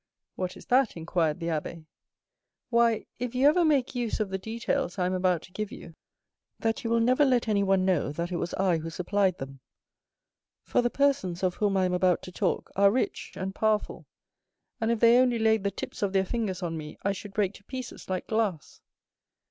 "What is that?" inquired the abbé. "Why, if you ever make use of the details I am about to give you, that you will never let anyone know that it was I who supplied them; for the persons of whom I am about to talk are rich and powerful, and if they only laid the tips of their fingers on me, I should break to pieces like glass."